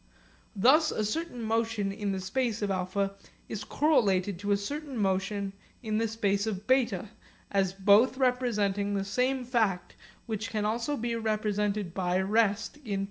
Thus a certain motion in the space of α is correlated to a certain motion in the space of β, as both representing the same fact which can also be represented by rest in π.